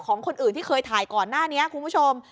ของคนอื่นที่เคยถ่ายก่อนหน้านี้คุณผู้ชม